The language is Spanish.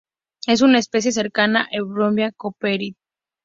Es una especie cercana a "Euphorbia cooperi.